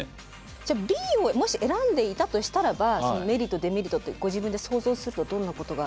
じゃあＢをもし選んでいたとしたらばメリットデメリットってご自分で想像するとどんなことが。